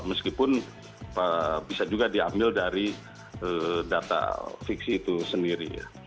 meskipun bisa juga diambil dari data fiksi itu sendiri